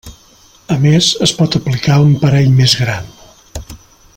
A més, es pot aplicar un parell més gran.